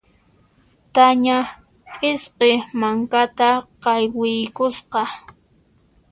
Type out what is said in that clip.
Tania p'isqi mankata qaywiykusqa.